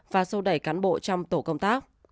và sâu đẩy cán bộ trong tổ công tác